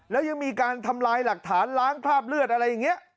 แล้วยังมีการทำลายหลักฐานล้างคราบเลือดอะไรอย่างนี้